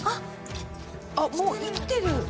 あっもう生きてる。